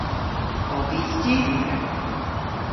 Ov vy studhyer?